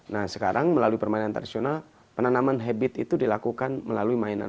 nah sekarang melalui permainan tradisional penanaman habit itu dilakukan melalui mainan